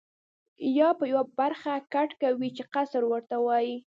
یا به یوه برخه کټ کوې چې قصر ورته وایي.